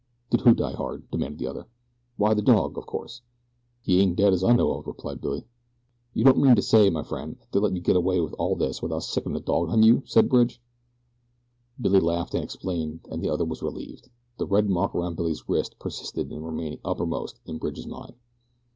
"Did who die hard?" demanded the other. "Why the dog, of course." "He ain't dead as I know of," replied Billy. "You don't mean to say, my friend, that they let you get away with all this without sicing the dog on you," said Bridge. Billy laughed and explained, and the other was relieved the red mark around Billy's wrist persisted in remaining uppermost in Bridge's mind.